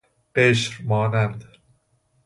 قشر مانند